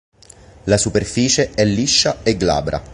La superficie è liscia e glabra.